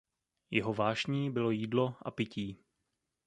Jeho vášní bylo jídlo a pití.